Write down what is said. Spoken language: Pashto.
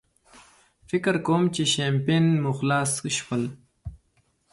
فکر کوم چې شیمپین مو خلاص شول.